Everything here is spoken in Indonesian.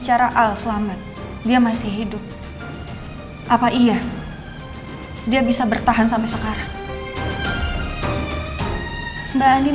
terima kasih dan aku hack study